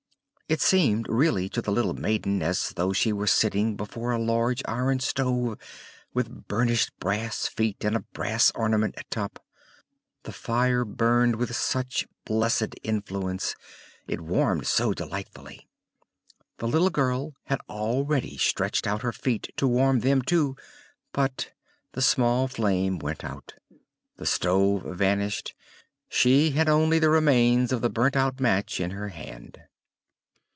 It seemed really to the little maiden as though she were sitting before a large iron stove, with burnished brass feet and a brass ornament at top. The fire burned with such blessed influence; it warmed so delightfully. The little girl had already stretched out her feet to warm them too; but the small flame went out, the stove vanished: she had only the remains of the burnt out match in her hand.